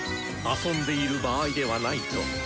遊んでいる場合ではないと。